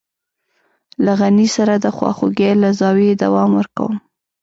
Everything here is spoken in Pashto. له غني سره د خواخوږۍ له زاويې دوام ورکوم.